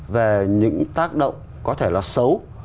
về những tác động có thể là xấu